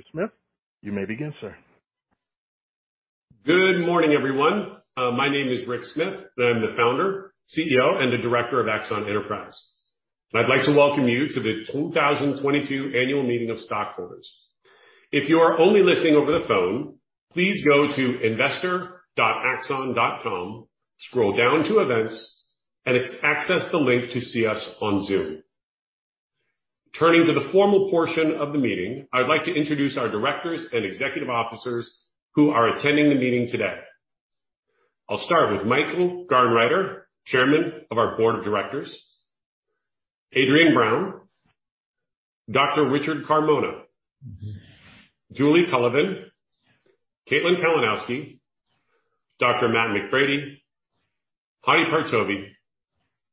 Mr. Smith, you may begin, sir. Good morning, everyone. My name is Rick Smith, and I'm the founder, CEO, and the director of Axon Enterprise. I'd like to welcome you to the 2022 annual meeting of stockholders. If you are only listening over the phone, please go to investor.axon.com, scroll down to Events, and access the link to see us on Zoom. Turning to the formal portion of the meeting, I would like to introduce our directors and executive officers who are attending the meeting today. I'll start with Michael Garnreiter, Chairman of our board of directors, Adriane Brown, Dr. Richard Carmona, Julie Cullivan, Caitlin Kalinowski, Dr. Mark Kroll, Hadi Partovi,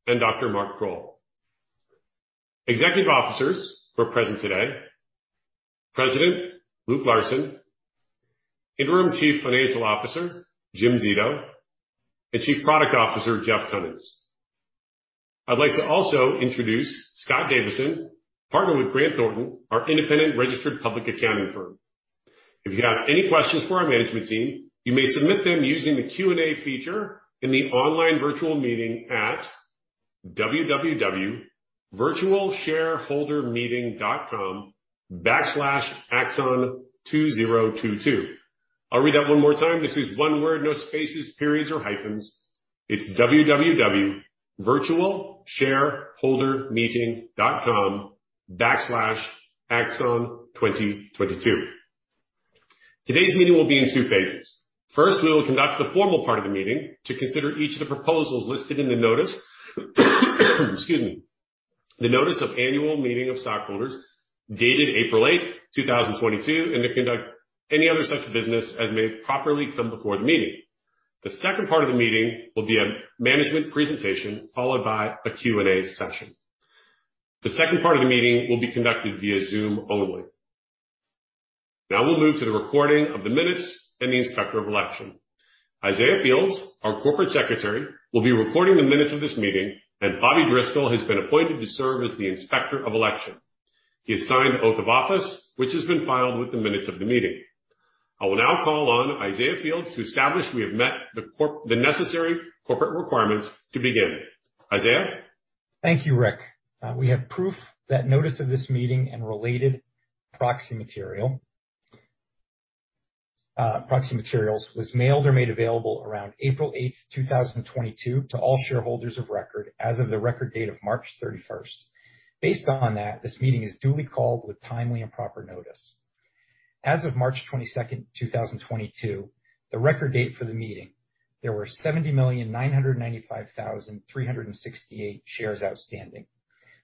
and Dr. Mark Kroll. Executive officers who are present today, President Luke Larson, Interim Chief Financial Officer Jim Zito, and Chief Product Officer Jeff Kunins. I'd like to also introduce Scott Davison, partner with Grant Thornton, our independent registered public accounting firm. If you have any questions for our management team, you may submit them using the Q&A feature in the online virtual meeting at wwwvirtualshareholdermeeting.com/axon2022. I'll read that one more time. This is one word, no spaces, periods or hyphens. It's wwwvirtualshareholdermeeting.com/axon2022. Today's meeting will be in two phases. First, we will conduct the formal part of the meeting to consider each of the proposals listed in the notice of annual meeting of stockholders dated April 8, 2022, and to conduct any other such business as may properly come before the meeting. The second part of the meeting will be a management presentation, followed by a Q&A session. The second part of the meeting will be conducted via Zoom only. Now we'll move to the recording of the minutes and the inspector of election. Isaiah Fields, our Corporate Secretary, will be recording the minutes of this meeting, and Robert Driscoll has been appointed to serve as the Inspector of Election. He has signed the oath of office, which has been filed with the minutes of the meeting. I will now call on Isaiah Fields to establish we have met the necessary corporate requirements to begin. Isaiah. Thank you, Rick. We have proof that notice of this meeting and related proxy materials was mailed or made available around April 8, 2022 to all shareholders of record as of the record date of March 31. Based on that, this meeting is duly called with timely and proper notice. As of March 22, 2022, the record date for the meeting, there were 79,995,368 shares outstanding.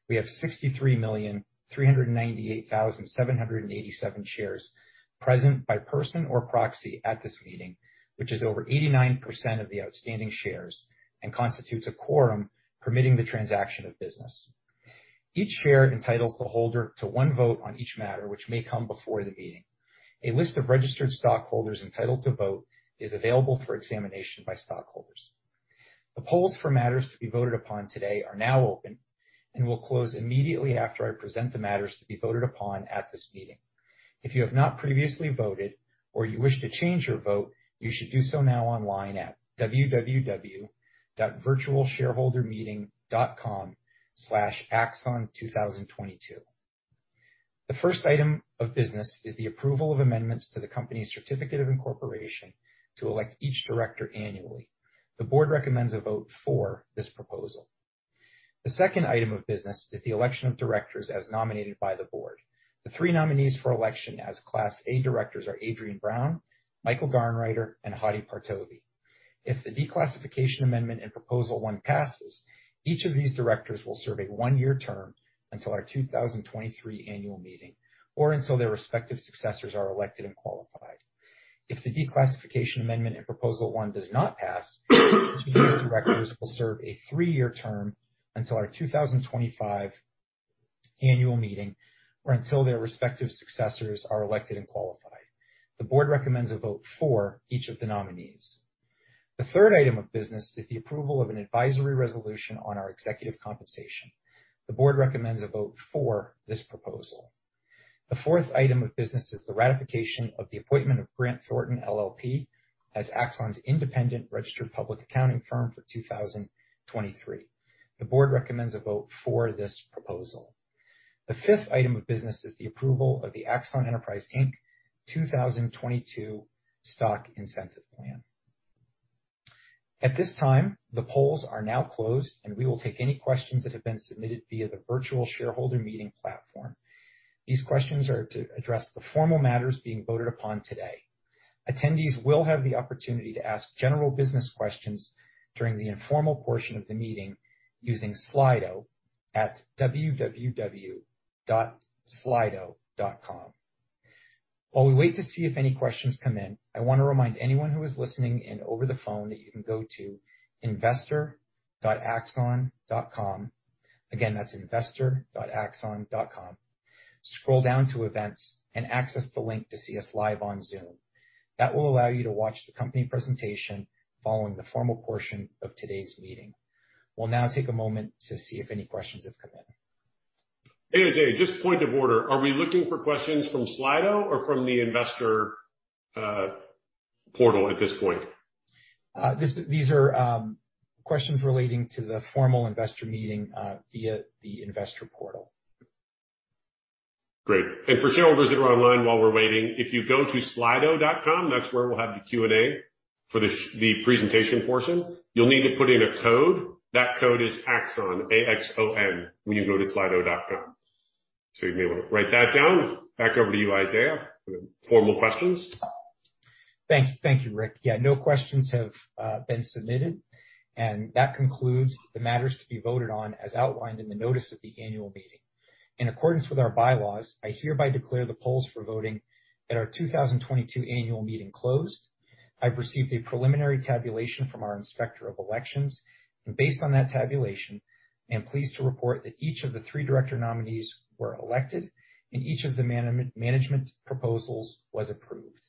We have 63,398,787 shares present by person or proxy at this meeting, which is over 89% of the outstanding shares and constitutes a quorum permitting the transaction of business. Each share entitles the holder to one vote on each matter which may come before the meeting. A list of registered stockholders entitled to vote is available for examination by stockholders. The polls for matters to be voted upon today are now open and will close immediately after I present the matters to be voted upon at this meeting. If you have not previously voted or you wish to change your vote, you should do so now online at www.virtualshareholdermeeting.com/axon2022. The first item of business is the approval of amendments to the company's certificate of incorporation to elect each director annually. The board recommends a vote for this proposal. The second item of business is the election of directors as nominated by the board. The three nominees for election as Class A directors are Adriane Brown, Michael Garnreiter, and Hadi Partovi. If the declassification amendment and proposal 1 passes, each of these directors will serve a 1-year term until our 2023 annual meeting, or until their respective successors are elected and qualified. If the declassification amendment and proposal 1 does not pass, these directors will serve a 3-year term until our 2025 annual meeting or until their respective successors are elected and qualified. The board recommends a vote for each of the nominees. The third item of business is the approval of an advisory resolution on our executive compensation. The board recommends a vote for this proposal. The fourth item of business is the ratification of the appointment of Grant Thornton LLP as Axon's independent registered public accounting firm for 2023. The board recommends a vote for this proposal. The fifth item of business is the approval of the Axon Enterprise, Inc. 2022 stock incentive plan. At this time, the polls are now closed, and we will take any questions that have been submitted via the virtual shareholder meeting platform. These questions are to address the formal matters being voted upon today. Attendees will have the opportunity to ask general business questions during the informal portion of the meeting using Slido at www.slido.com. While we wait to see if any questions come in, I wanna remind anyone who is listening in over the phone that you can go to investor.axon.com. Again, that's investor.axon.com. Scroll down to Events and access the link to see us live on Zoom. That will allow you to watch the company presentation following the formal portion of today's meeting. We'll now take a moment to see if any questions have come in. Hey, Isaiah, just point of order. Are we looking for questions from Slido or from the investor portal at this point? These are questions relating to the formal investor meeting via the investor portal. Great. For shareholders that are online, while we're waiting, if you go to Slido.com, that's where we'll have the Q&A for the presentation portion. You'll need to put in a code. That code is Axon, A-X-O-N, when you go to Slido.com. You may wanna write that down. Back over to you, Isaiah, for the formal questions. Thank you. Thank you, Rick. Yeah, no questions have been submitted, and that concludes the matters to be voted on as outlined in the notice of the annual meeting. In accordance with our bylaws, I hereby declare the polls for voting at our 2022 annual meeting closed. I've received a preliminary tabulation from our Inspector of Elections, and based on that tabulation, I am pleased to report that each of the three director nominees were elected and each of the management proposals was approved.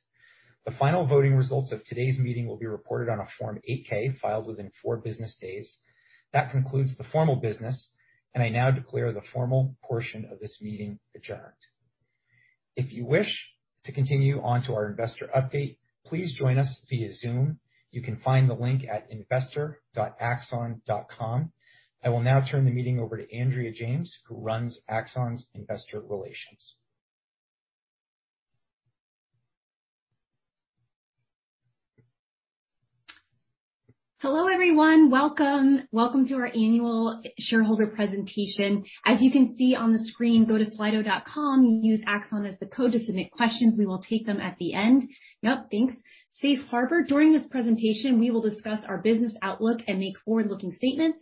The final voting results of today's meeting will be reported on a Form 8-K filed within four business days. That concludes the formal business, and I now declare the formal portion of this meeting adjourned. If you wish to continue on to our investor update, please join us via Zoom. You can find the link at investor.axon.com. I will now turn the meeting over to Andrea James, who runs Axon's investor relations. Hello, everyone. Welcome to our annual shareholder presentation. As you can see on the screen, go to Slido.com and use Axon as the code to submit questions. We will take them at the end. Yep, thanks. Safe harbor. During this presentation, we will discuss our business outlook and make forward-looking statements.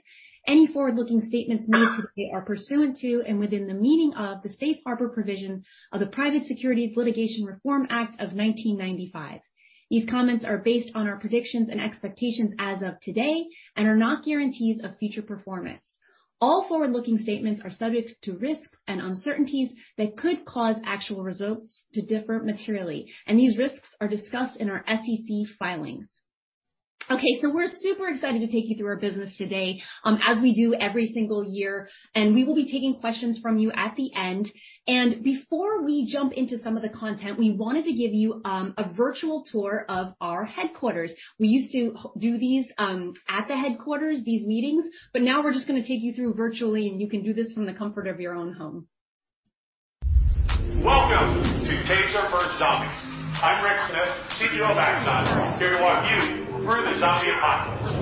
Any forward-looking statements made today are pursuant to and within the meaning of the Safe Harbor provision of the Private Securities Litigation Reform Act of 1995. These comments are based on our predictions and expectations as of today and are not guarantees of future performance. All forward-looking statements are subject to risks and uncertainties that could cause actual results to differ materially, and these risks are discussed in our SEC filings. Okay, we're super excited to take you through our business today, as we do every single year, and we will be taking questions from you at the end. Before we jump into some of the content, we wanted to give you a virtual tour of our headquarters. We used to do these at the headquarters, these meetings, but now we're just gonna take you through virtually, and you can do this from the comfort of your own home. Welcome to TASER versus Zombies. I'm Rick Smith, CEO of Axon. I'm here to walk you through the zombie apocalypse.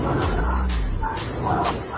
Welcome to Axon. Let's talk VR for a minute. I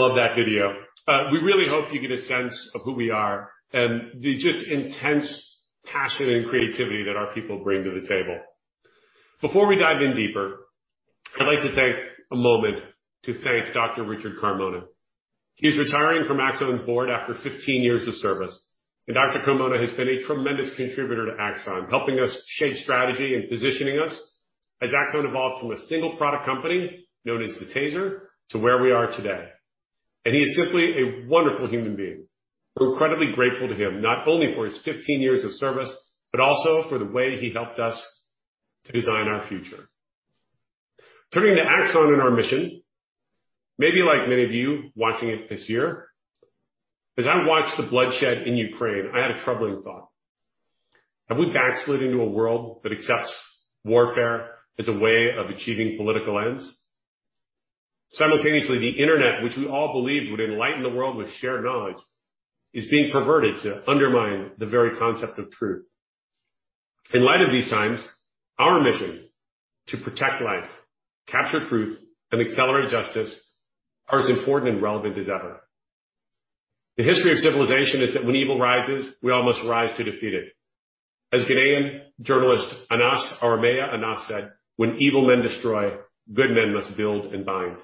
love that video. We really hope you get a sense of who we are and the just intense passion and creativity that our people bring to the table. Before we dive in deeper, I'd like to take a moment to thank Dr. Richard Carmona. He's retiring from Axon board after 15 years of service, and Dr. Carmona has been a tremendous contributor to Axon, helping us shape strategy and positioning us as Axon evolved from a single product company known as the TASER to where we are today. He is just a wonderful human being. We're incredibly grateful to him, not only for his 15 years of service, but also for the way he helped us to design our future. Turning to Axon and our mission, maybe like many of you watching it this year, as I watched the bloodshed in Ukraine, I had a troubling thought. Have we backslid into a world that accepts warfare as a way of achieving political ends? Simultaneously, the Internet, which we all believed would enlighten the world with shared knowledge, is being perverted to undermine the very concept of truth. In light of these times, our mission to protect life, capture truth, and accelerate justice are as important and relevant as ever. The history of civilization is that when evil rises, we all must rise to defeat it. As Ghanaian journalist Anas Aremeyaw Anas said, "When evil men destroy, good men must build and bind."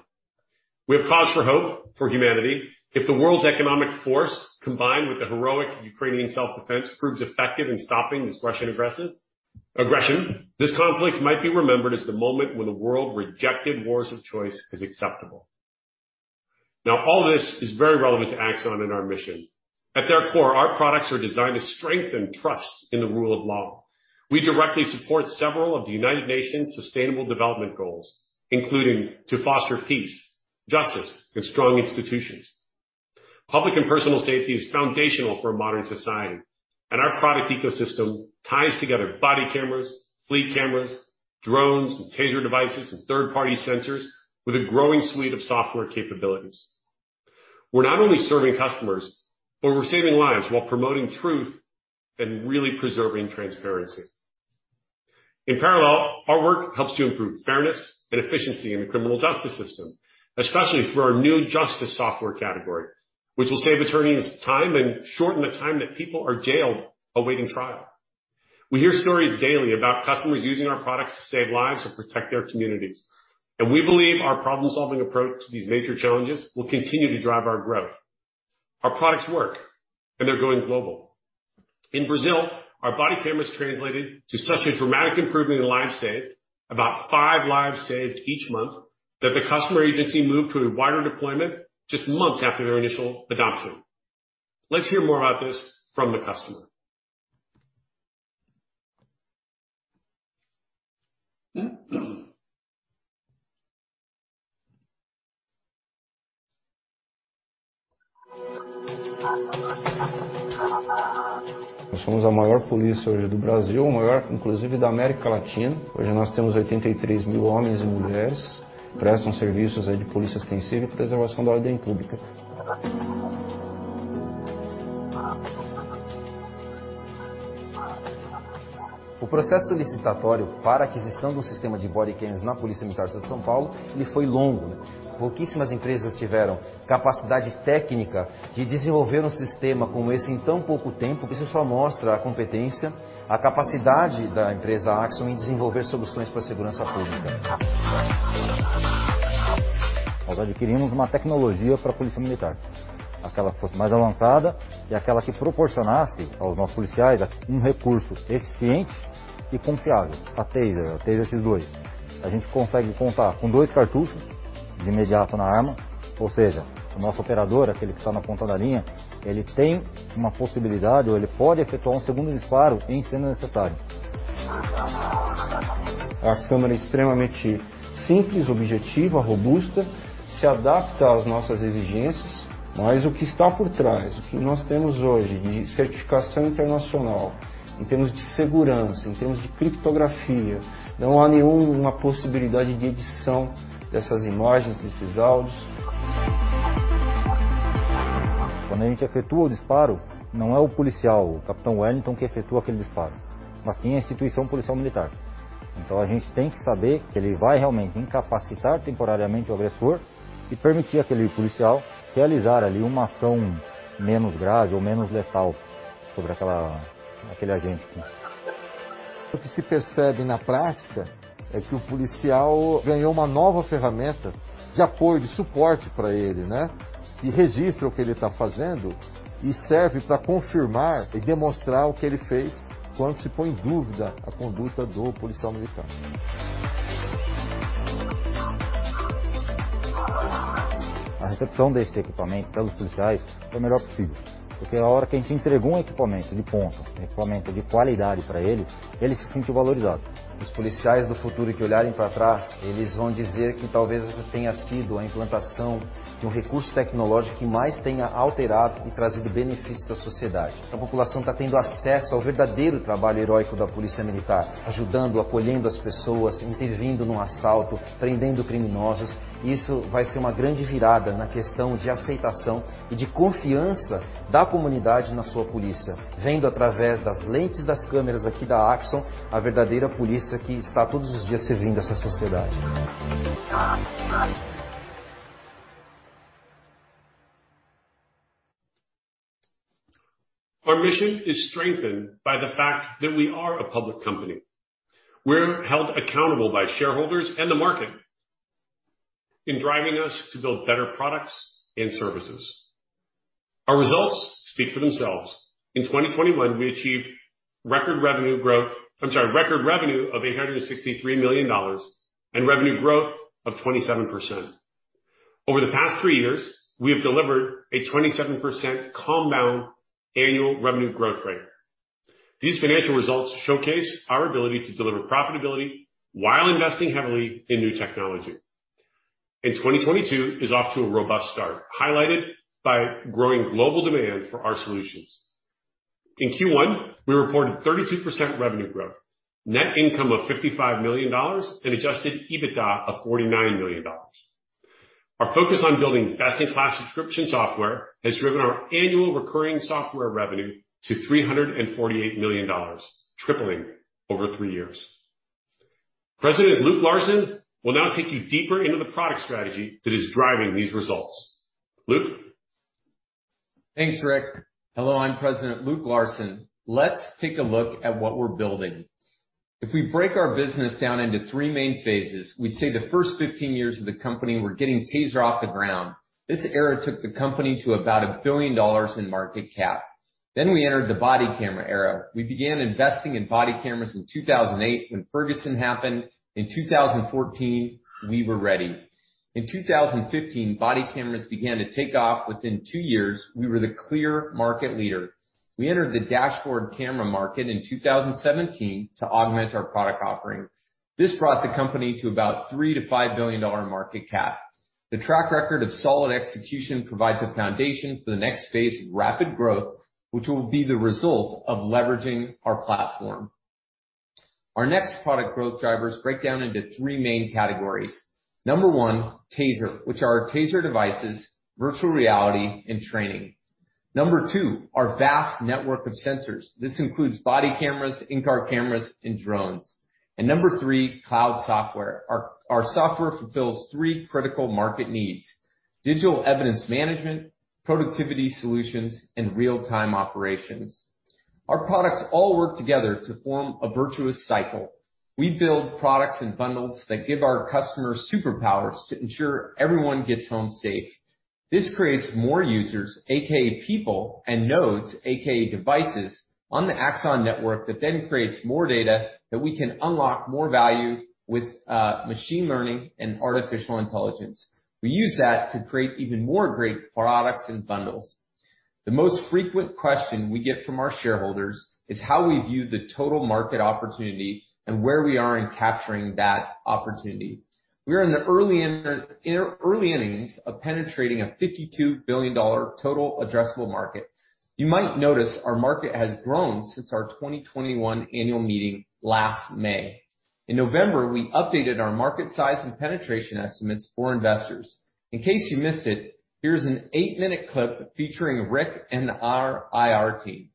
We have cause for hope for humanity. If the world's economic force, combined with the heroic Ukrainian self-defense, proves effective in stopping this Russian aggression, this conflict might be remembered as the moment when the world rejected wars of choice as acceptable. Now, all this is very relevant to Axon and our mission. At their core, our products are designed to strengthen trust in the rule of law. We directly support several of the United Nations Sustainable Development Goals, including to foster peace, justice, and strong institutions. Public and personal safety is foundational for a modern society, and our product ecosystem ties together body cameras, fleet cameras, drones and TASER devices and third-party sensors with a growing suite of software capabilities. We're not only serving customers, but we're saving lives while promoting truth and really preserving transparency. In parallel, our work helps to improve fairness and efficiency in the criminal justice system, especially through our new justice software category, which will save attorneys time and shorten the time that people are jailed awaiting trial. We hear stories daily about customers using our products to save lives and protect their communities, and we believe our problem-solving approach to these major challenges will continue to drive our growth. Our products work, and they're going global. In Brazil, our body cameras translated to such a dramatic improvement in lives saved, about five lives saved each month, that the customer agency moved to a wider deployment just months after their initial adoption. Let's hear more about this from the customer. Nós somos a maior polícia hoje do Brasil, o maior inclusive da América Latina. Hoje nós temos 83,000 homens e mulheres, prestam serviços aí de polícia ostensiva e preservação da ordem pública. O processo licitatório para aquisição do sistema de bodycams na Polícia Militar do Estado de São Paulo, ele foi longo, né. Pouquíssimas empresas tiveram capacidade técnica de desenvolver um sistema como esse em tão pouco tempo. Isso só mostra a competência, a capacidade da empresa Axon em desenvolver soluções pra segurança pública. Nós adquirimos uma tecnologia pra Polícia Militar, aquela que fosse mais avançada e aquela que proporcionasse aos nossos policiais um recurso eficiente e confiável. A TASER esses dois. A gente consegue contar com 2 cartuchos de imediato na arma, ou seja, o nosso operador, aquele que está na ponta da linha, ele tem uma possibilidade ou ele pode efetuar um segundo disparo, em sendo necessário. A câmera é extremamente simples, objetiva, robusta, se adapta às nossas exigências. O que está por trás, o que nós temos hoje de certificação internacional, em termos de segurança, em termos de criptografia, não há nenhuma possibilidade de edição dessas imagens, desses áudios. Quando a gente efetua o disparo, não é o policial, o Capitão Wellington, que efetua aquele disparo, mas sim a instituição Polícia Militar. A gente tem que saber que ele vai realmente incapacitar temporariamente o agressor e permitir àquele policial realizar ali uma ação menos grave ou menos letal sobre aquele agente. O que se percebe na prática é que o policial ganhou uma nova ferramenta de apoio, de suporte pra ele, né, que registra o que ele tá fazendo e serve pra confirmar e demonstrar o que ele fez quando se põe em dúvida a conduta do policial militar. A recepção desse equipamento pelos policiais foi a melhor possível, porque a hora que a gente entregou um equipamento de ponta, um equipamento de qualidade pra ele se sentiu valorizado. Os policiais do futuro que olharem pra trás, eles vão dizer que talvez essa tenha sido a implantação de um recurso tecnológico que mais tenha alterado e trazido benefícios à sociedade. A população tá tendo acesso ao verdadeiro trabalho heroico da Polícia Militar, ajudando, acolhendo as pessoas, intervindo num assalto, prendendo criminosos. Isso vai ser uma grande virada na questão de aceitação e de confiança da comunidade na sua polícia. Vendo através das lentes das câmeras aqui da Axon a verdadeira polícia que está todos os dias servindo essa sociedade. Our mission is strengthened by the fact that we are a public company. We're held accountable by shareholders and the market in driving us to build better products and services. Our results speak for themselves. In 2021, we achieved record revenue of $863 million and revenue growth of 27%. Over the past three years, we have delivered a 27% compound annual revenue growth rate. These financial results showcase our ability to deliver profitability while investing heavily in new technology. 2022 is off to a robust start, highlighted by growing global demand for our solutions. In Q1, we reported 32% revenue growth, net income of $55 million, and adjusted EBITDA of $49 million. Our focus on building best-in-class subscription software has driven our annual recurring software revenue to $348 million, tripling over three years. President Luke Larson will now take you deeper into the product strategy that is driving these results. Luke. Thanks, Rick. Hello, I'm President Luke Larson. Let's take a look at what we're building. If we break our business down into three main phases, we'd say the first 15 years of the company were getting TASER off the ground. This era took the company to about $1 billion in market cap. We entered the body camera era. We began investing in body cameras in 2008 when Ferguson happened. In 2014, we were ready. In 2015, body cameras began to take off. Within 2 years, we were the clear market leader. We entered the dashboard camera market in 2017 to augment our product offering. This brought the company to about $3 billion-$5 billion market cap. The track record of solid execution provides a foundation for the next phase of rapid growth, which will be the result of leveraging our platform. Our next product growth drivers break down into three main categories. Number one, TASER, which are TASER devices, virtual reality, and training. Number two, our vast network of sensors. This includes body cameras, in-car cameras, and drones. Number three, cloud software. Our software fulfills three critical market needs, digital evidence management, productivity solutions, and real-time operations. Our products all work together to form a virtuous cycle. We build products and bundles that give our customers superpowers to ensure everyone gets home safe. This creates more users, AKA people and nodes, AKA devices on the Axon network that then creates more data that we can unlock more value with, machine learning and artificial intelligence. We use that to create even more great products and bundles. The most frequent question we get from our shareholders is how we view the total market opportunity and where we are in capturing that opportunity. We are in the early innings of penetrating a $52 billion total addressable market. You might notice our market has grown since our 2021 annual meeting last May. In November, we updated our market size and penetration estimates for investors. In case you missed it, here's an 8-minute clip featuring Rick and our IR team.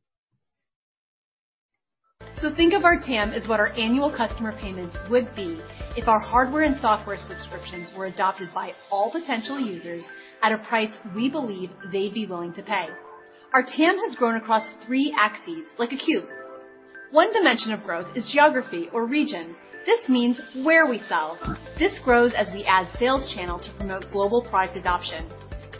Think of our TAM as what our annual customer payments would be if our hardware and software subscriptions were adopted by all potential users at a price we believe they'd be willing to pay. Our TAM has grown across three axes like a cube. One dimension of growth is geography or region. This means where we sell. This grows as we add sales channel to promote global product adoption.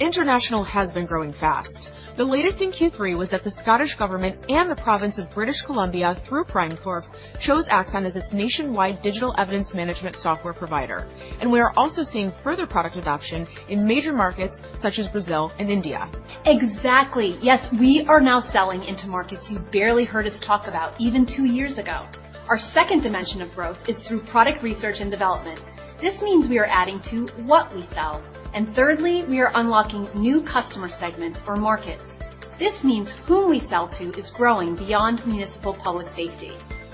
International has been growing fast. The latest in Q3 was that the Scottish Government and the province of British Columbia, through PRIMECorp, chose Axon as its nationwide digital evidence management software provider. We are also seeing further product adoption in major markets such as Brazil and India. Exactly. Yes, we are now selling into markets you barely heard us talk about even two years ago. Our second dimension of growth is through product research and development. This means we are adding to what we sell. Thirdly, we are unlocking new customer segments or markets. This means who we sell to is growing beyond municipal public safety.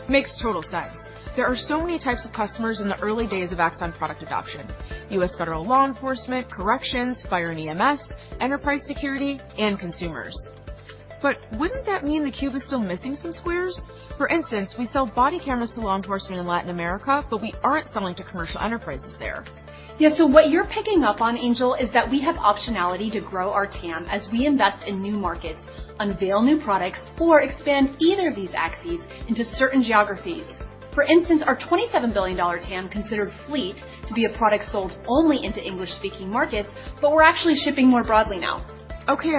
Makes total sense. There are so many types of customers in the early days of Axon product adoption. U.S. federal law enforcement, corrections, fire and EMS, enterprise security, and consumers. Wouldn't that mean the cube is still missing some squares? For instance, we sell body cameras to law enforcement in Latin America, but we aren't selling to commercial enterprises there. Yeah. What you're picking up on, Angel, is that we have optionality to grow our TAM as we invest in new markets, unveil new products, or expand either of these axes into certain geographies. For instance, our $27 billion TAM considered Fleet to be a product sold only into English-speaking markets, but we're actually shipping more broadly now. Okay,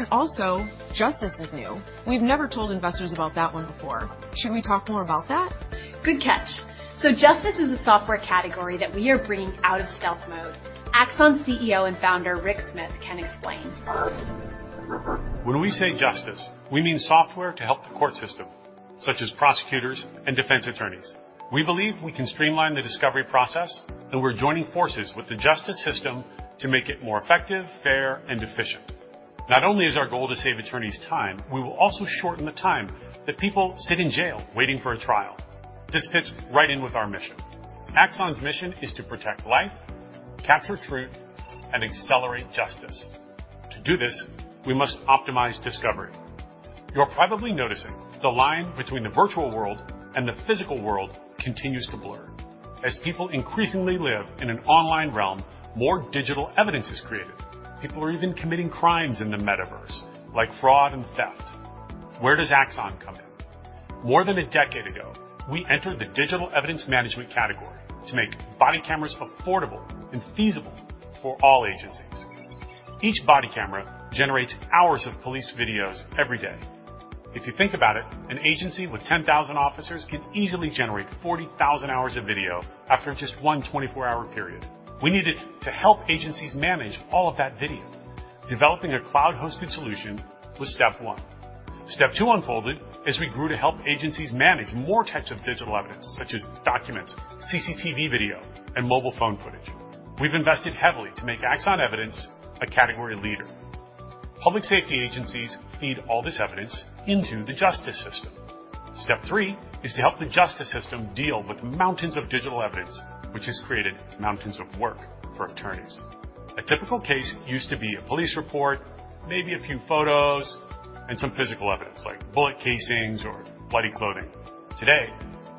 Justice is new. We've never told investors about that one before. Should we talk more about that? Good catch. Justice is a software category that we are bringing out of stealth mode. Axon CEO and founder, Rick Smith, can explain. When we say Justice, we mean software to help the court system, such as prosecutors and defense attorneys. We believe we can streamline the discovery process, and we're joining forces with the justice system to make it more effective, fair, and efficient. Not only is our goal to save attorneys time, we will also shorten the time that people sit in jail waiting for a trial. This fits right in with our mission. Axon's mission is to protect life, capture truth, and accelerate justice. To do this, we must optimize discovery. You're probably noticing the line between the virtual world and the physical world continues to blur. As people increasingly live in an online realm, more digital evidence is created. People are even committing crimes in the metaverse, like fraud and theft. Where does Axon come in? More than a decade ago, we entered the digital evidence management category to make body cameras affordable and feasible for all agencies. Each body camera generates hours of police videos every day. If you think about it, an agency with 10,000 officers can easily generate 40,000 hours of video after just one 24-hour period. We needed to help agencies manage all of that video. Developing a cloud-hosted solution was step one. Step two unfolded as we grew to help agencies manage more types of digital evidence, such as documents, CCTV video, and mobile phone footage. We've invested heavily to make Axon Evidence a category leader. Public safety agencies feed all this evidence into the justice system. Step three is to help the justice system deal with mountains of digital evidence, which has created mountains of work for attorneys. A typical case used to be a police report, maybe a few photos, and some physical evidence, like bullet casings or bloody clothing. Today,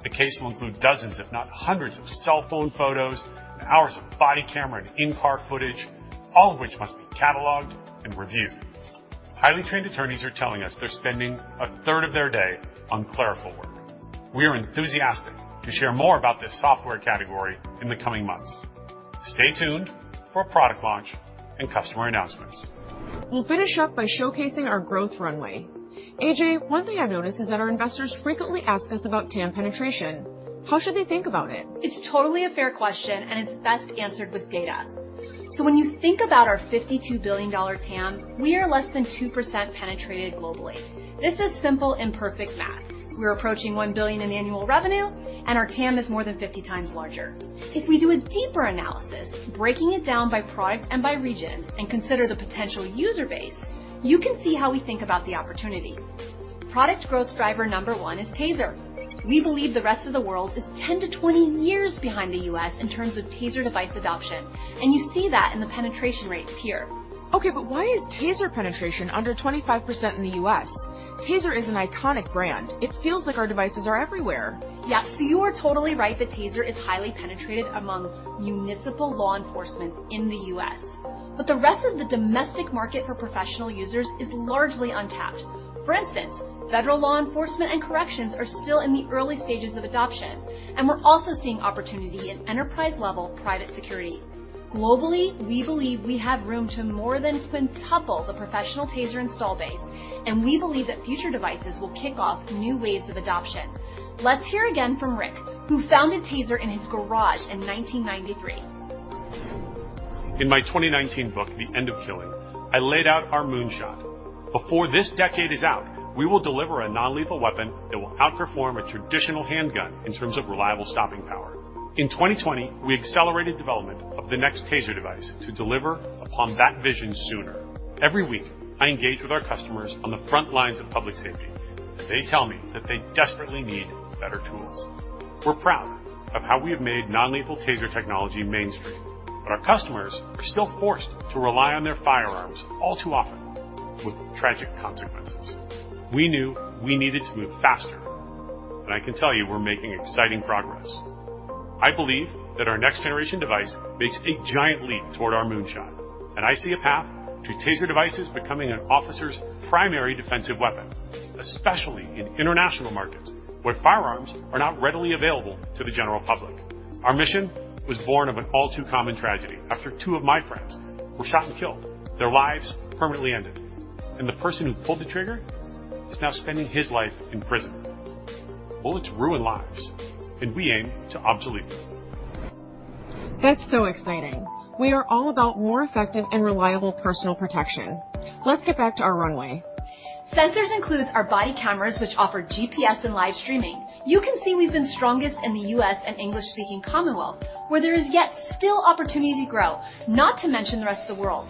the case will include dozens, if not hundreds, of cell phone photos and hours of body camera and in-car footage, all of which must be cataloged and reviewed. Highly trained attorneys are telling us they're spending a third of their day on clerical work. We are enthusiastic to share more about this software category in the coming months. Stay tuned for a product launch and customer announcements. We'll finish up by showcasing our growth runway. AJ, one thing I've noticed is that our investors frequently ask us about TAM penetration. How should they think about it? It's totally a fair question, and it's best answered with data. When you think about our $52 billion TAM, we are less than 2% penetrated globally. This is simple and perfect math. We're approaching $1 billion in annual revenue, and our TAM is more than 50 times larger. If we do a deeper analysis, breaking it down by product and by region, and consider the potential user base, you can see how we think about the opportunity. Product growth driver number one is TASER. We believe the rest of the world is 10-20 years behind the U.S. in terms of TASER device adoption, and you see that in the penetration rates here. Okay, why is TASER penetration under 25% in the U.S.? TASER is an iconic brand. It feels like our devices are everywhere. Yeah. You are totally right that TASER is highly penetrated among municipal law enforcement in the US, but the rest of the domestic market for professional users is largely untapped. For instance, federal law enforcement and corrections are still in the early stages of adoption, and we're also seeing opportunity in enterprise-level private security. Globally, we believe we have room to more than quintuple the professional TASER install base, and we believe that future devices will kick off new waves of adoption. Let's hear again from Rick, who founded TASER in his garage in 1993. In my 2019 book, The End of Killing, I laid out our moonshot. Before this decade is out, we will deliver a non-lethal weapon that will outperform a traditional handgun in terms of reliable stopping power. In 2020, we accelerated development of the next Taser device to deliver upon that vision sooner. Every week, I engage with our customers on the front lines of public safety. They tell me that they desperately need better tools. We're proud of how we have made non-lethal Taser technology mainstream, but our customers are still forced to rely on their firearms all too often with tragic consequences. We knew we needed to move faster, and I can tell you we're making exciting progress. I believe that our next generation device makes a giant leap toward our moonshot, and I see a path to TASER devices becoming an officer's primary defensive weapon, especially in international markets where firearms are not readily available to the general public. Our mission was born of an all too common tragedy after two of my friends were shot and killed, their lives permanently ended. The person who pulled the trigger is now spending his life in prison. Bullets ruin lives, and we aim to obsolete them. That's so exciting. We are all about more effective and reliable personal protection. Let's get back to our runway. Sensors includes our body cameras, which offer GPS and live streaming. You can see we've been strongest in the U.S. and English-speaking Commonwealth, where there is yet still opportunity to grow, not to mention the rest of the world.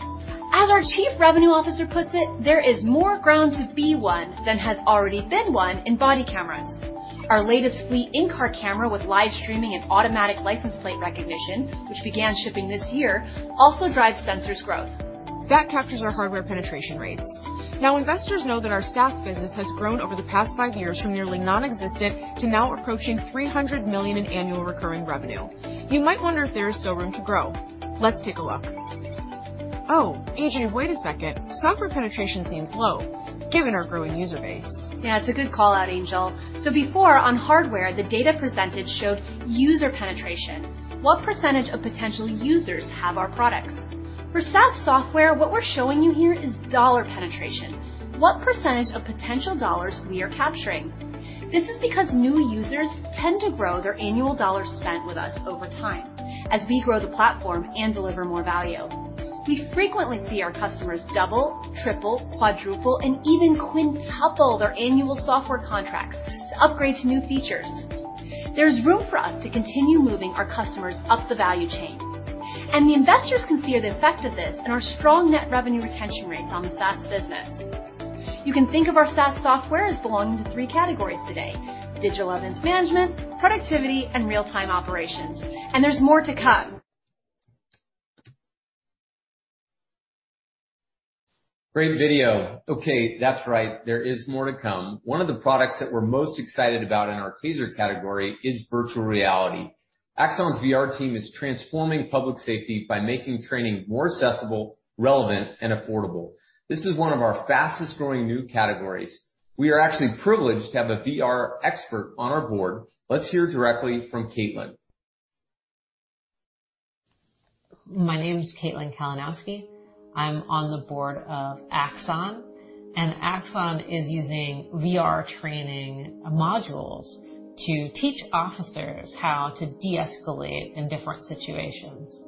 As our Chief Revenue Officer puts it, there is more ground to be won than has already been won in body cameras. Our latest Fleet in-car camera with live streaming and automatic license plate recognition, which began shipping this year, also drives Sensors growth. That captures our hardware penetration rates. Now, investors know that our SaaS business has grown over the past five years from nearly nonexistent to now approaching $300 million in annual recurring revenue. You might wonder if there is still room to grow. Let's take a look. Oh, AJ, wait a second. Software penetration seems low given our growing user base. Yeah, it's a good call out, Angel. Before on hardware, the data presented showed user penetration. What percentage of potential users have our products? For SaaS software, what we're showing you here is dollar penetration. What percentage of potential dollars we are capturing? This is because new users tend to grow their annual dollar spent with us over time as we grow the platform and deliver more value. We frequently see our customers double, triple, quadruple, and even quintuple their annual software contracts to upgrade to new features. There's room for us to continue moving our customers up the value chain, and the investors can see the effect of this in our strong net revenue retention rates on the SaaS business. You can think of our SaaS software as belonging to three categories today: digital evidence management, productivity, and real-time operations, and there's more to come. Great video. Okay, that's right, there is more to come. One of the products that we're most excited about in our TASER category is virtual reality. Axon's VR team is transforming public safety by making training more accessible, relevant, and affordable. This is one of our fastest-growing new categories. We are actually privileged to have a VR expert on our board. Let's hear directly from Caitlin. My name's Caitlin Kalinowski. I'm on the board of Axon, and Axon is using VR training modules to teach officers how to de-escalate in different situations.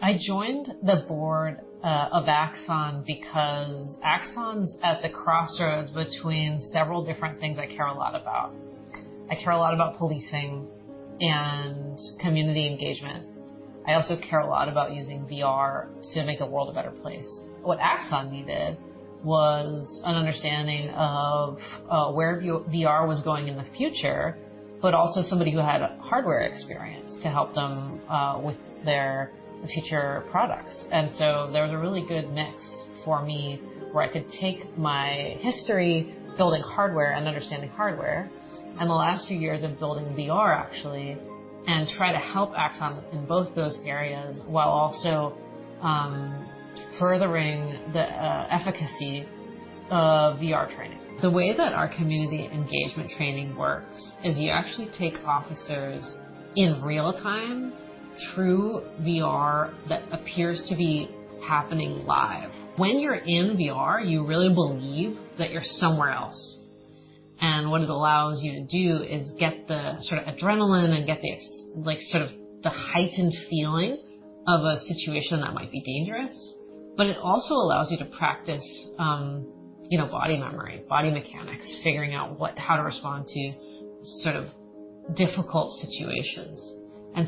I joined the board of Axon because Axon's at the crossroads between several different things I care a lot about. I care a lot about policing and community engagement. I also care a lot about using VR to make a world a better place. What Axon needed was an understanding of where VR was going in the future, but also somebody who had hardware experience to help them with their future products. There was a really good mix for me where I could take my history building hardware and understanding hardware and the last few years of building VR, actually, and try to help Axon in both those areas while also furthering the efficacy of VR training. The way that our community engagement training works is you actually take officers in real time through VR that appears to be happening live. When you're in VR, you really believe that you're somewhere else, and what it allows you to do is get the sort of adrenaline and sort of the heightened feeling of a situation that might be dangerous. But it also allows you to practice, you know, body memory, body mechanics, figuring out how to respond to sort of difficult situations.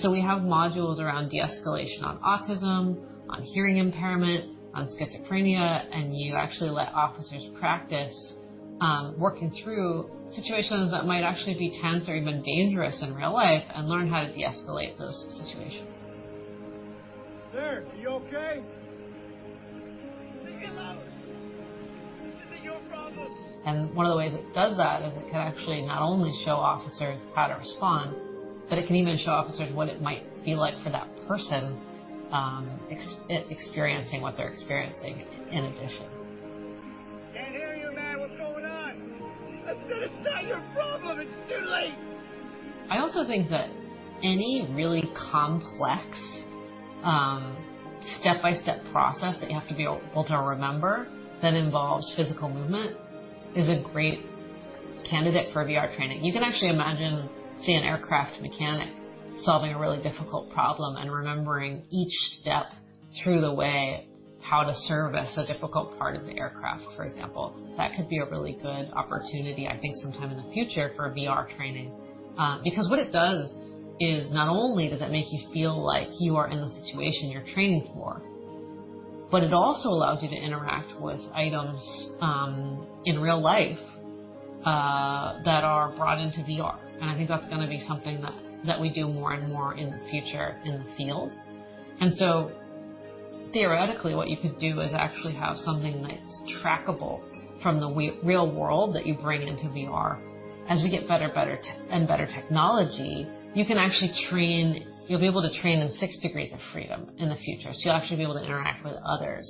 We have modules around de-escalation on autism, on hearing impairment, on schizophrenia, and you actually let officers practice, working through situations that might actually be tense or even dangerous in real life and learn how to de-escalate those situations. Sir, are you okay? Leave me alone. This isn't your problem. One of the ways it does that is it can actually not only show officers how to respond, but it can even show officers what it might feel like for that person, experiencing what they're experiencing in addition. Can't hear you, man. What's going on? I said it's not your problem. It's too late. I also think that any really complex, step-by-step process that you have to be able to remember that involves physical movement is a great candidate for VR training. You can actually imagine, say, an aircraft mechanic solving a really difficult problem and remembering each step through the way how to service a difficult part of the aircraft, for example. That could be a really good opportunity, I think sometime in the future for VR training. Because what it does is not only does it make you feel like you are in the situation you're training for, but it also allows you to interact with items, in real life, that are brought into VR. I think that's gonna be something that we do more and more in the future in the field. Theoretically, what you could do is actually have something that's trackable from the real world that you bring into VR. As we get better and better technology, you can actually train. You'll be able to train in six degrees of freedom in the future, so you'll actually be able to interact with others.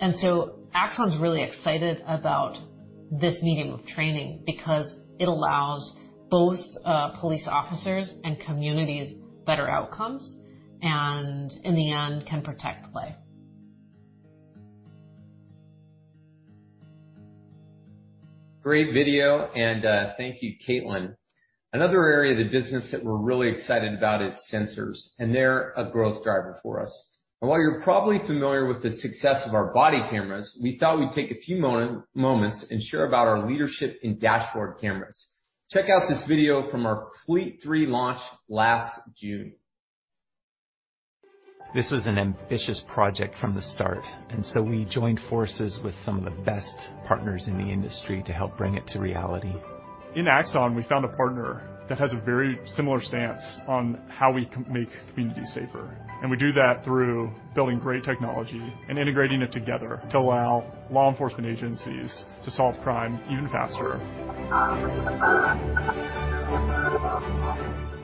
Axon's really excited about this medium of training because it allows both police officers and communities better outcomes, and in the end can protect life. Great video, and, thank you, Caitlin. Another area of the business that we're really excited about is sensors, and they're a growth driver for us. While you're probably familiar with the success of our body cameras, we thought we'd take a few moments and share about our leadership in dashboard cameras. Check out this video from our Fleet 3 launch last June. This was an ambitious project from the start, and so we joined forces with some of the best partners in the industry to help bring it to reality. In Axon, we found a partner that has a very similar stance on how we make communities safer, and we do that through building great technology and integrating it together to allow law enforcement agencies to solve crime even faster.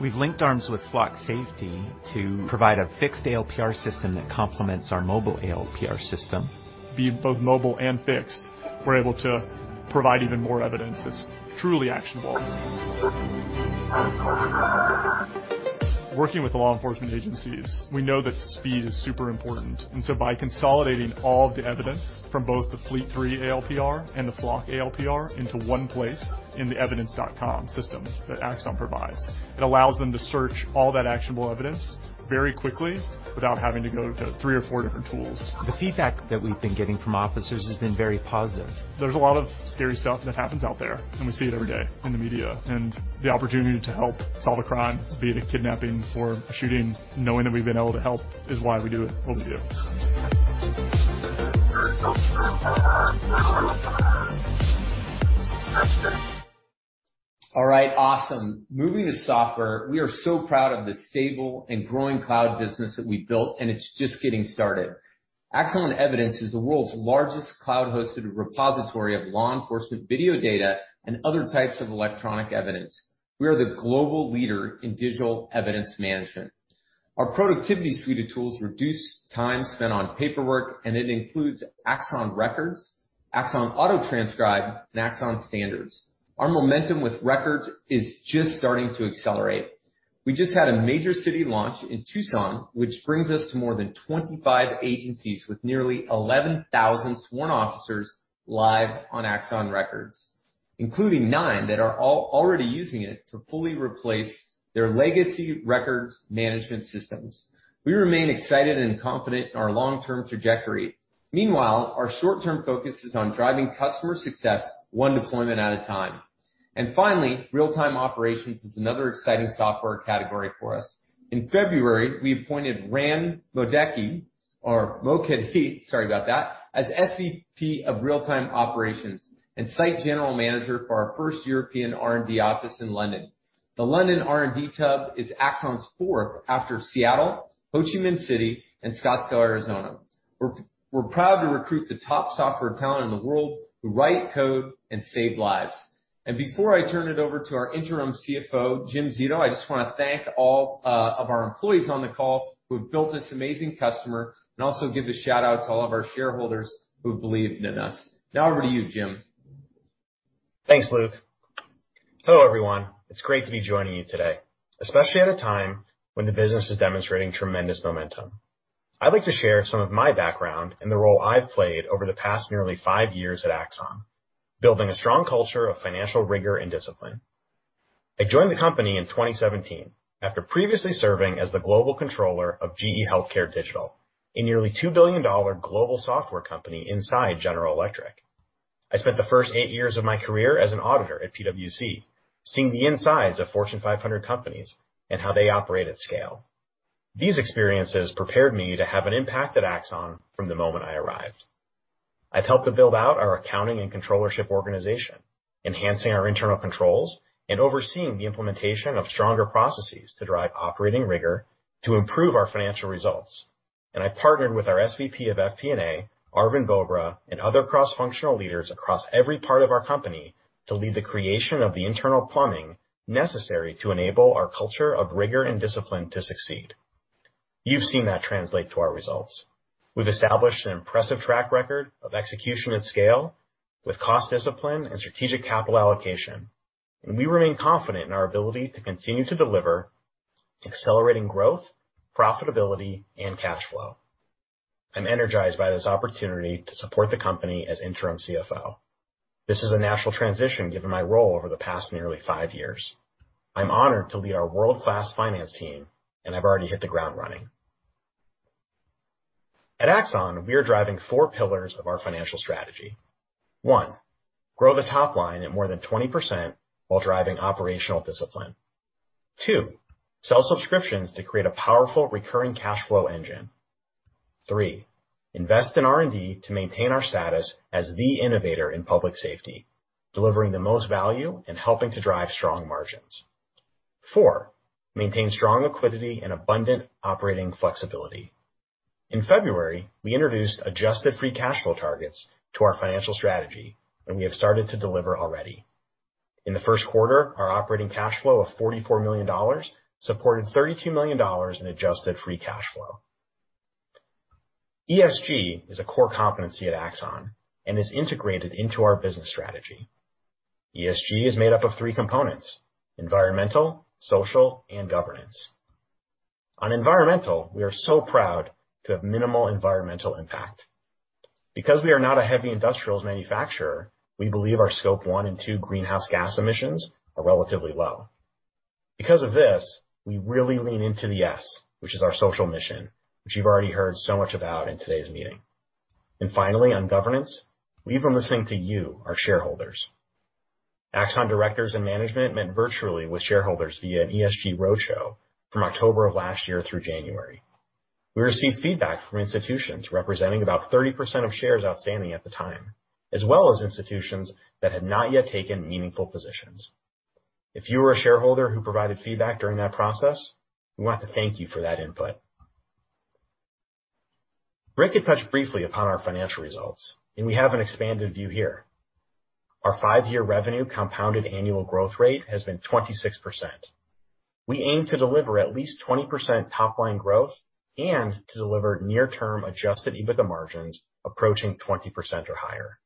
We've linked arms with Flock Safety to provide a fixed ALPR system that complements our mobile ALPR system. Be it both mobile and fixed, we're able to provide even more evidence that's truly actionable. Working with law enforcement agencies, we know that speed is super important, and so by consolidating all of the evidence from both the Fleet 3 ALPR and the Flock ALPR into one place in the Evidence.com system that Axon provides, it allows them to search all that actionable evidence very quickly without having to go to three or four different tools. The feedback that we've been getting from officers has been very positive. There's a lot of scary stuff that happens out there, and we see it every day in the media, and the opportunity to help solve a crime, be it a kidnapping or a shooting, knowing that we've been able to help is why we do it, what we do. All right. Awesome. Moving to software. We are so proud of the stable and growing cloud business that we built, and it's just getting started. Axon Evidence is the world's largest cloud-hosted repository of law enforcement video data and other types of electronic evidence. We are the global leader in digital evidence management. Our productivity suite of tools reduce time spent on paperwork, and it includes Axon Records, Axon Auto-Transcribe, and Axon Standards. Our momentum with records is just starting to accelerate. We just had a major city launch in Tucson, which brings us to more than 25 agencies with nearly 11,000 sworn officers live on Axon Records, including nine that are already using it to fully replace their legacy records management systems. We remain excited and confident in our long-term trajectory. Meanwhile, our short-term focus is on driving customer success one deployment at a time. Finally, real-time operations is another exciting software category for us. In February, we appointed Ran Mokady, or Modeki, sorry about that, as SVP of Real-Time Operations and Site General Manager for our first European R&D office in London. The London R&D hub is Axon's fourth after Seattle, Ho Chi Minh City, and Scottsdale, Arizona. We're proud to recruit the top software talent in the world who write code and save lives. Before I turn it over to our interim CFO, Jim Zito, I just wanna thank all of our employees on the call who have built this amazing company, and also give a shout-out to all of our shareholders who have believed in us. Now over to you, Jim. Thanks, Luke. Hello, everyone. It's great to be joining you today, especially at a time when the business is demonstrating tremendous momentum. I'd like to share some of my background and the role I've played over the past nearly five years at Axon, building a strong culture of financial rigor and discipline. I joined the company in 2017 after previously serving as the global controller of GE HealthCare Digital, a nearly $2 billion global software company inside General Electric. I spent the first eight years of my career as an auditor at PwC, seeing the insides of Fortune 500 companies and how they operate at scale. These experiences prepared me to have an impact at Axon from the moment I arrived. I've helped to build out our accounting and controllership organization, enhancing our internal controls and overseeing the implementation of stronger processes to drive operating rigor to improve our financial results. I partnered with our SVP of FP&A, Arvind Bobra, and other cross-functional leaders across every part of our company to lead the creation of the internal plumbing necessary to enable our culture of rigor and discipline to succeed. You've seen that translate to our results. We've established an impressive track record of execution at scale with cost discipline and strategic capital allocation, and we remain confident in our ability to continue to deliver accelerating growth, profitability, and cash flow. I'm energized by this opportunity to support the company as interim CFO. This is a natural transition given my role over the past nearly five years. I'm honored to lead our world-class finance team, and I've already hit the ground running. At Axon, we are driving four pillars of our financial strategy. One, grow the top line at more than 20% while driving operational discipline. Two, sell subscriptions to create a powerful recurring cash flow engine. Three, invest in R&D to maintain our status as the innovator in public safety, delivering the most value and helping to drive strong margins. Four, maintain strong liquidity and abundant operating flexibility. In February, we introduced adjusted free cash flow targets to our financial strategy, and we have started to deliver already. In the first quarter, our operating cash flow of $44 million supported $32 million in adjusted free cash flow. ESG is a core competency at Axon and is integrated into our business strategy. ESG is made up of three components. Environmental, social, and governance. On environmental, we are so proud to have minimal environmental impact. Because we are not a heavy industrials manufacturer, we believe our scope one and two greenhouse gas emissions are relatively low. Because of this, we really lean into the S, which is our social mission, which you've already heard so much about in today's meeting. Finally, on governance, we've been listening to you, our shareholders. Axon directors and management met virtually with shareholders via an ESG roadshow from October of last year through January. We received feedback from institutions representing about 30% of shares outstanding at the time, as well as institutions that had not yet taken meaningful positions. If you are a shareholder who provided feedback during that process, we want to thank you for that input. Rick had touched briefly upon our financial results, and we have an expanded view here. Our 5-year revenue compounded annual growth rate has been 26%. We aim to deliver at least 20% top-line growth and to deliver near term adjusted EBITDA margins approaching 20% or higher.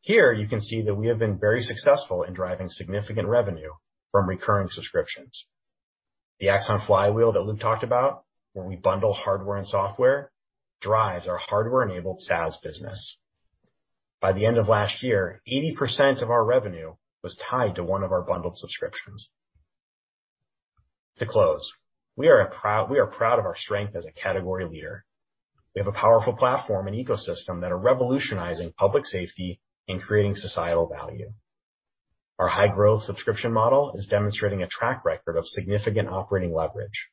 Here you can see that we have been very successful in driving significant revenue from recurring subscriptions. The Axon flywheel that Luke talked about, where we bundle hardware and software, drives our hardware-enabled SaaS business. By the end of last year, 80% of our revenue was tied to one of our bundled subscriptions. To close, we are proud of our strength as a category leader. We have a powerful platform and ecosystem that are revolutionizing public safety and creating societal value. Our high-growth subscription model is demonstrating a track record of significant operating leverage.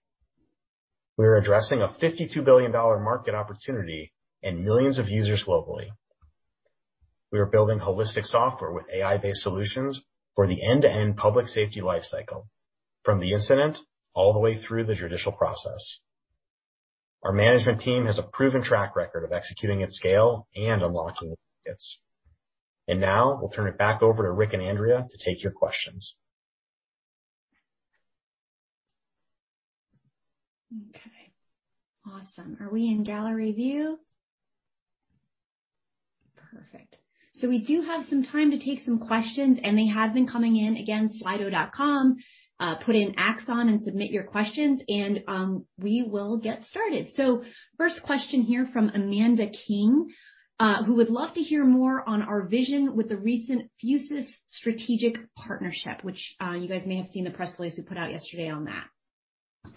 We're addressing a $52 billion market opportunity and millions of users globally. We are building holistic software with AI-based solutions for the end-to-end public safety life cycle, from the incident all the way through the judicial process. Our management team has a proven track record of executing at scale and unlocking. Now we'll turn it back over to Rick and Andrea to take your questions. Okay. Awesome. Are we in gallery view? Perfect. We do have some time to take some questions, and they have been coming in. Again, Slido.com. Put in Axon and submit your questions and we will get started. First question here from Amanda King, who would love to hear more on our vision with the recent Fusus strategic partnership, which you guys may have seen the press release we put out yesterday on that.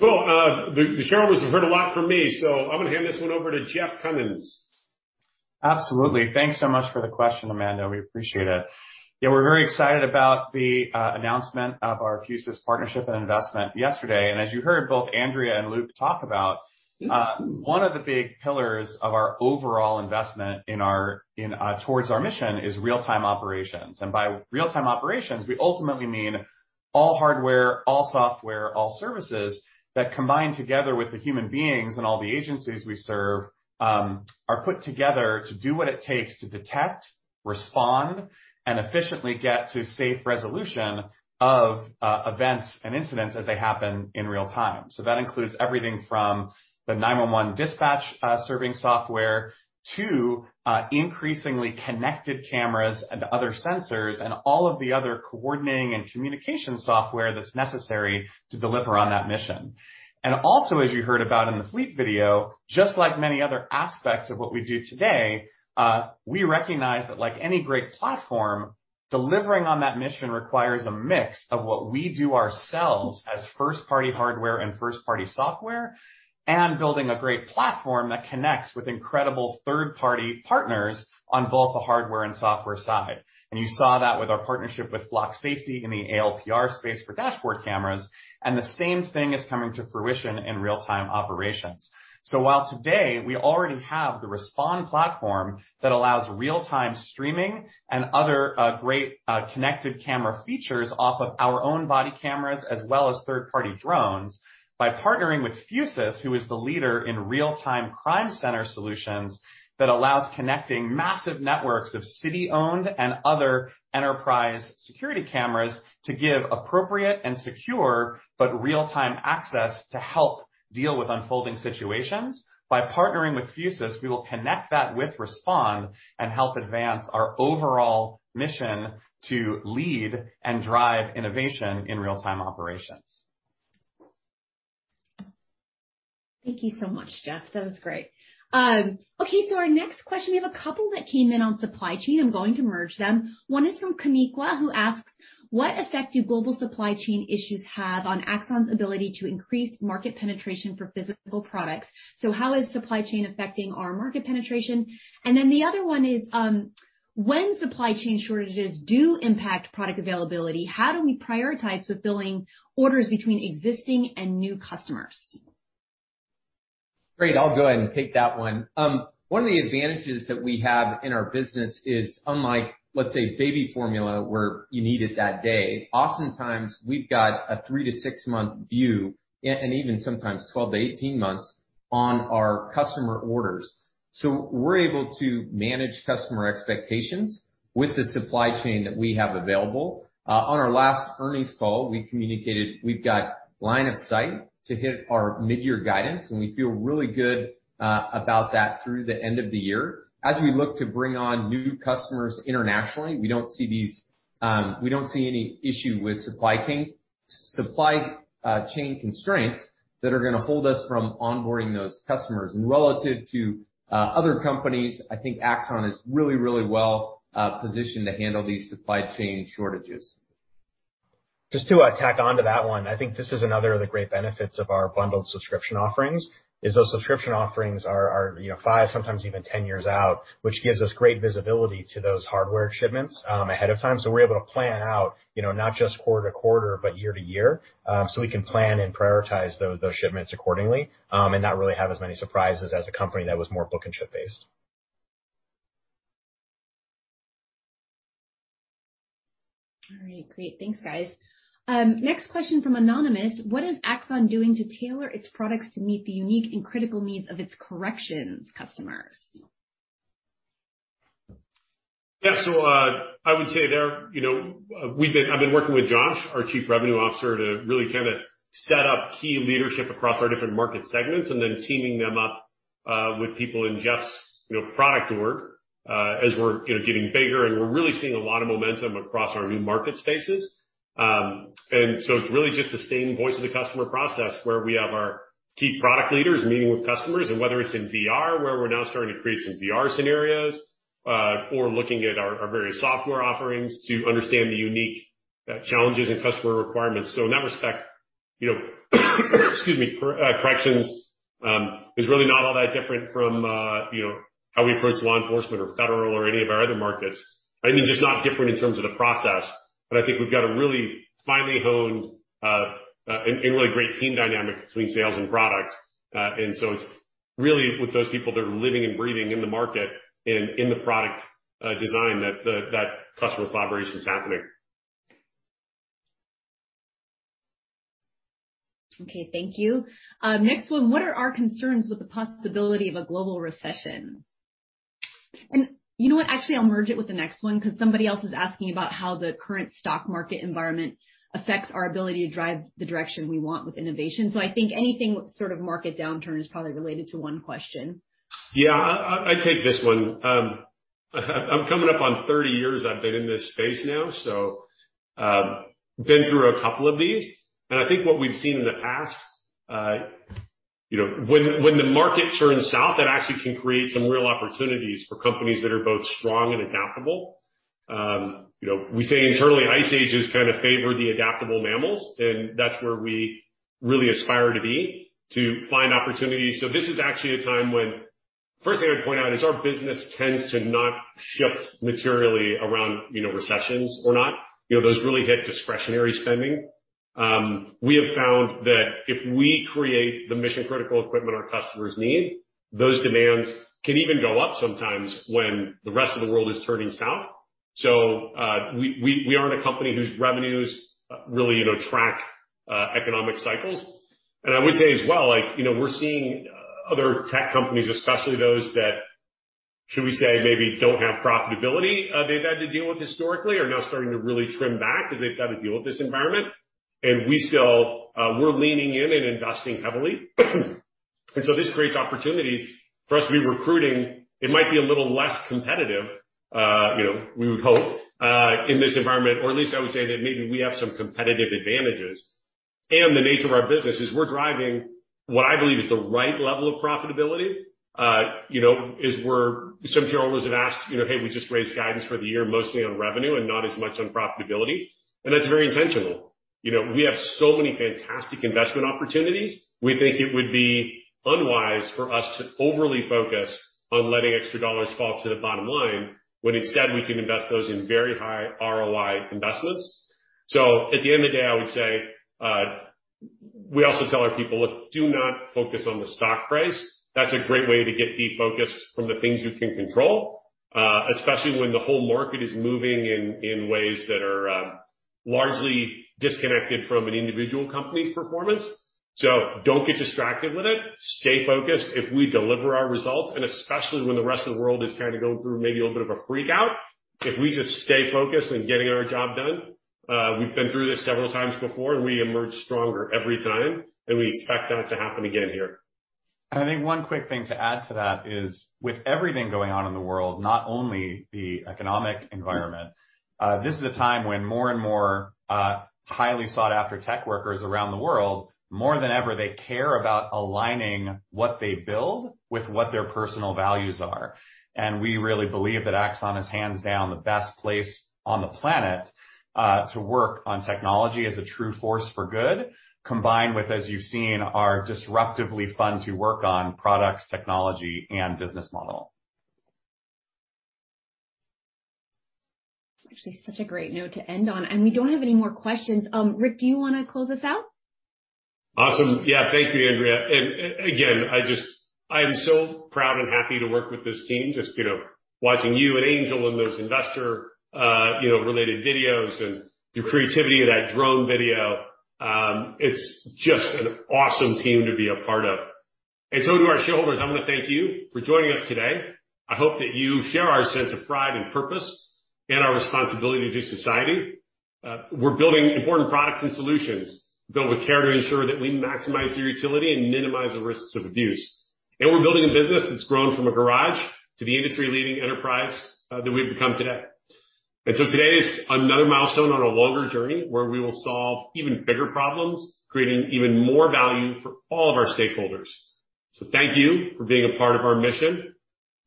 Well, the shareholders have heard a lot from me, so I'm gonna hand this one over to Jeff Kunins. Absolutely. Thanks so much for the question, Amanda. We appreciate it. Yeah, we're very excited about the announcement of our Fusus partnership and investment yesterday. As you heard both Andrea and Luke talk about, one of the big pillars of our overall investment towards our mission is real-time operations. By real-time operations, we ultimately mean all hardware, all software, all services that combine together with the human beings and all the agencies we serve are put together to do what it takes to detect, respond, and efficiently get to safe resolution of events and incidents as they happen in real time. That includes everything from the 911 dispatch serving software to increasingly connected cameras and other sensors, and all of the other coordinating and communication software that's necessary to deliver on that mission. Also, as you heard about in the fleet video, just like many other aspects of what we do today, we recognize that like any great platform, delivering on that mission requires a mix of what we do ourselves as first-party hardware and first-party software, and building a great platform that connects with incredible third-party partners on both the hardware and software side. You saw that with our partnership with Flock Safety in the ALPR space for dashboard cameras, and the same thing is coming to fruition in real-time operations. While today we already have the Respond platform that allows real-time streaming and other great connected camera features off of our own body cameras as well as third-party drones, by partnering with Fusus, who is the leader in real-time crime center solutions that allows connecting massive networks of city-owned and other enterprise security cameras to give appropriate and secure but real-time access to help deal with unfolding situations. By partnering with Fusus, we will connect that with Respond and help advance our overall mission to lead and drive innovation in real-time operations. Thank you so much, Jeff. That was great. Okay, our next question, we have a couple that came in on supply chain. I'm going to merge them. One is from Kamekia, who asks, "What effect do global supply chain issues have on Axon's ability to increase market penetration for physical products?" How is supply chain affecting our market penetration? Then the other one is, "When supply chain shortages do impact product availability, how do we prioritize fulfilling orders between existing and new customers? Great. I'll go ahead and take that one. One of the advantages that we have in our business is, unlike, let's say, baby formula, where you need it that day, oftentimes we've got a 3-6-month view, and even sometimes 12-18 months on our customer orders. We're able to manage customer expectations with the supply chain that we have available. On our last earnings call, we communicated we've got line of sight to hit our mid-year guidance, and we feel really good about that through the end of the year. As we look to bring on new customers internationally, we don't see any issue with supply chain constraints that are gonna hold us from onboarding those customers. Relative to other companies, I think Axon is really, really well positioned to handle these supply chain shortages. Just to tack on to that one, I think this is another of the great benefits of our bundled subscription offerings, is those subscription offerings are, you know, five, sometimes even 10 years out, which gives us great visibility to those hardware shipments ahead of time. We're able to plan out, you know, not just quarter to quarter, but year to year. We can plan and prioritize those shipments accordingly, and not really have as many surprises as a company that was more book and ship based. All right. Great. Thanks, guys. Next question from anonymous: "What is Axon doing to tailor its products to meet the unique and critical needs of its corrections customers? Yeah. I would say there, you know, I've been working with Josh, our Chief Revenue Officer, to really kinda set up key leadership across our different market segments and then teaming them up with people in Jeff's, you know, product org, as we're, you know, getting bigger, and we're really seeing a lot of momentum across our new market spaces. It's really just the same voice of the customer process where we have our key product leaders meeting with customers, and whether it's in VR, where we're now starting to create some VR scenarios, or looking at our various software offerings to understand the unique challenges and customer requirements. In that respect, Corrections is really not all that different from how we approach law enforcement or federal or any of our other markets. Just not different in terms of the process, but I think we've got a really finely honed and really great team dynamic between sales and product. It's really with those people that are living and breathing in the market and in the product design that customer collaboration is happening. Okay, thank you. Next one, what are our concerns with the possibility of a global recession? You know what? Actually, I'll merge it with the next one because somebody else is asking about how the current stock market environment affects our ability to drive the direction we want with innovation. I think anything sort of market downturn is probably related to one question. Yeah. I take this one. I'm coming up on 30 years I've been in this space now, so, been through a couple of these. I think what we've seen in the past, you know, when the market turns south, that actually can create some real opportunities for companies that are both strong and adaptable. You know, we say internally, ice ages kind of favor the adaptable mammals, and that's where we really aspire to be to find opportunities. This is actually a time when first thing I'd point out is our business tends to not shift materially around, you know, recessions or not. You know, those really hit discretionary spending. We have found that if we create the mission-critical equipment our customers need, those demands can even go up sometimes when the rest of the world is turning south. We aren't a company whose revenues really, you know, track economic cycles. I would say as well, like, you know, we're seeing other tech companies, especially those that, should we say, maybe don't have profitability, they've had to deal with historically are now starting to really trim back because they've got to deal with this environment. We still, we're leaning in and investing heavily. This creates opportunities for us to be recruiting. It might be a little less competitive, you know, we would hope, in this environment, or at least I would say that maybe we have some competitive advantages. The nature of our business is we're driving what I believe is the right level of profitability. You know, some shareholders have asked, you know, "Hey, we just raised guidance for the year mostly on revenue and not as much on profitability." That's very intentional. You know, we have so many fantastic investment opportunities. We think it would be unwise for us to overly focus on letting extra dollars fall to the bottom line when instead we can invest those in very high ROI investments. At the end of the day, I would say, we also tell our people, "Look, do not focus on the stock price." That's a great way to get defocused from the things you can control, especially when the whole market is moving in ways that are largely disconnected from an individual company's performance. Don't get distracted with it. Stay focused. If we deliver our results, and especially when the rest of the world is kind of going through maybe a little bit of a freak out, if we just stay focused on getting our job done, we've been through this several times before and we emerge stronger every time, and we expect that to happen again here. I think one quick thing to add to that is with everything going on in the world, not only the economic environment, this is a time when more and more, highly sought-after tech workers around the world, more than ever, they care about aligning what they build with what their personal values are. We really believe that Axon is hands down the best place on the planet, to work on technology as a true force for good, combined with, as you've seen, our disruptively fun to work on products, technology, and business model. Actually, such a great note to end on, and we don't have any more questions. Rick, do you wanna close this out? Awesome. Yeah. Thank you, Andrea. Again, I am so proud and happy to work with this team. Just, you know, watching you and Angel in those investor, you know, related videos and the creativity of that drone video. It's just an awesome team to be a part of. To our shareholders, I wanna thank you for joining us today. I hope that you share our sense of pride and purpose and our responsibility to society. We're building important products and solutions, built with care to ensure that we maximize their utility and minimize the risks of abuse. We're building a business that's grown from a garage to the industry-leading enterprise that we've become today. Today is another milestone on a longer journey where we will solve even bigger problems, creating even more value for all of our stakeholders. Thank you for being a part of our mission,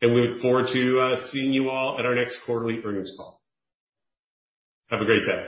and we look forward to seeing you all at our next quarterly earnings call. Have a great day.